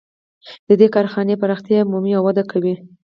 د دې کارخانې پراختیا مومي او وده کوي